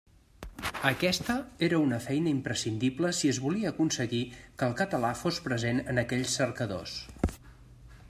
Aquesta era una feina imprescindible si es volia aconseguir que el català fos present en aquells cercadors.